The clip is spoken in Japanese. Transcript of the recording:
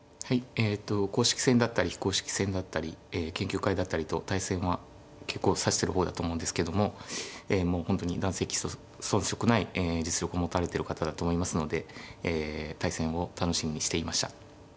えと公式戦だったり非公式戦だったり研究会だったりと対戦は結構指してる方だと思うんですけどもえもう本当に男性棋士と遜色ない実力を持たれてる方だと思いますのでえ対戦を楽しみにしていました。